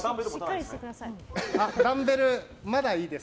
ダンベルまだいいです。